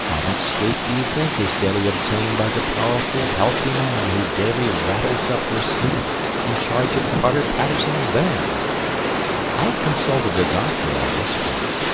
How much sleep do you think is daily obtained by the powerful healthy man who daily rattles up your street in charge of Carter Patterson's van? I have consulted a doctor on this point.